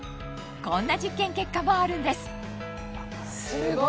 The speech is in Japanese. こんな実験結果もあるんです